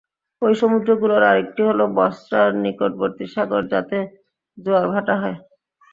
ঐ সমুদ্রগুলোর আরেকটি হলো বসরার নিকটবর্তী সাগর, যাতে জোয়ার-ভাটা হয়।